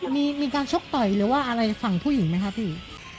มีการชกต่อยหรือว่าอะไรฝั่งผู้หญิงไหมคะพี่